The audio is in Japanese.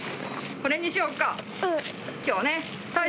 これにしよっか。